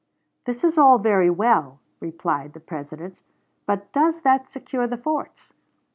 "That is all very well," replied the President, "but does that secure the forts?"